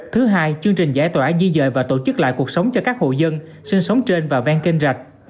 thứ hai chương trình giải tỏa di dời và tổ chức lại cuộc sống cho các hộ dân sinh sống trên và ven kênh rạch